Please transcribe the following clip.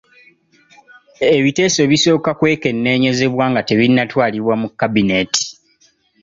Ebiteeso bisooka kwekenneenyezebwa nga tebinnatwalibwa mu kabineeti.